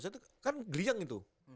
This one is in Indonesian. saya tuh kan geliang gitu